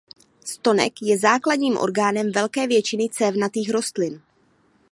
Stonek je základním orgánem velké většiny cévnatých rostlin.